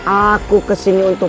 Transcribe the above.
aku kesini untuk